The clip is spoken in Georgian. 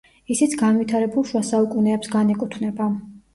ისიც განვითარებულ შუა საუკუნეებს განეკუთვნება.